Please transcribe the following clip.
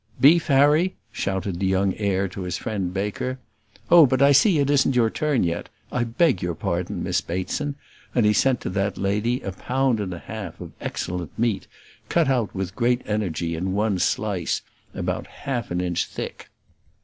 "Beef, Harry?" shouted the young heir to his friend Baker. "Oh! but I see it isn't your turn yet. I beg your pardon, Miss Bateson," and he sent to that lady a pound and a half of excellent meat, cut out with great energy in one slice, about half an inch thick.